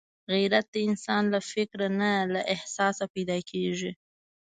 غیرت د انسان له فکره نه، له احساسه پیدا کېږي